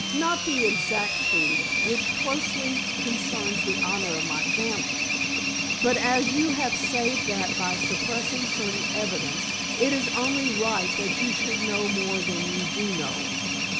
"Not the exact truth, which closely concerns the honor of my family. But as you have saved that by suppressing certain evidence it is only right that you should know more than you do know."